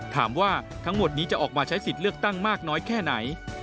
ถามว่าทั้งหมดนี้จะออกมาใช้สิทธิ์เลือกตั้งมากน้อยแค่ไหน